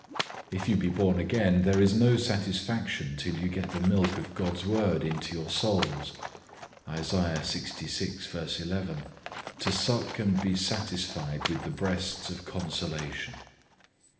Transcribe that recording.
If you be born again, there is no satisfaction till you get the milk of God's word into your souls; Isa. lxvi. 11, "To suck, and be satisfied with the breasts of consolation."